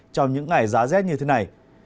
trong những ngày giá rét như thế này